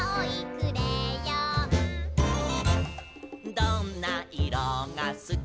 「どんな色がすき」